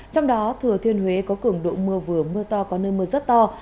trong đó thừa thiên huế có cường độ mưa vừa mưa to có nơi mưa rất to